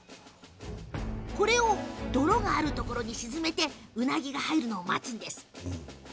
これを泥があるところに沈めてウナギが入るのを待つんです。